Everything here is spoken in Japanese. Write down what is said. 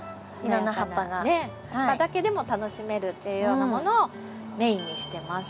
ねっ葉っぱだけでも楽しめるっていうようなものをメインにしてます。